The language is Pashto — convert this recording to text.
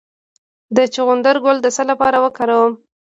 د چغندر ګل د څه لپاره وکاروم؟